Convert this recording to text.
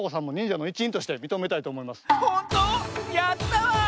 やったわ！